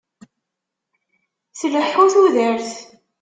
Tleḥḥu tudert.